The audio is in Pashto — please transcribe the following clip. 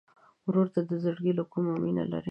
ورور ته د زړګي له کومي مینه لرې.